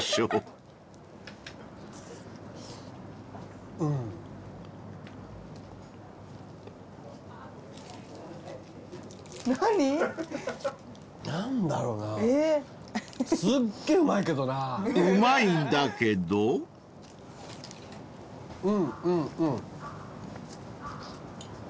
うんうんうん。